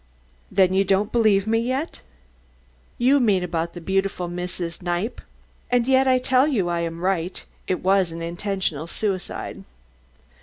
"Then you don't believe me yet?" "You mean about the beautiful Mrs. Kniepp? "And yet I tell you I am right. It was an intentional suicide."